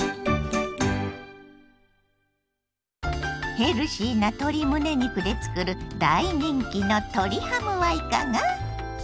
ヘルシーな鶏むね肉でつくる大人気の鶏ハムはいかが？